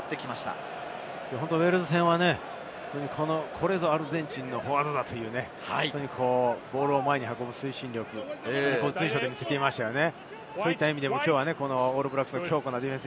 ウェールズ戦はこれぞアルゼンチンのフォワードだというボールを前に運ぶ推進力、随所で見せていましたね。